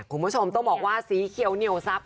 คุณผู้ชมต้องบอกว่าสีเขียวเหนียวซับ